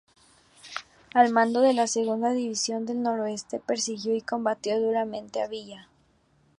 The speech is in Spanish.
Al mando de la Segunda División del Noroeste persiguió y combatió duramente a Villa.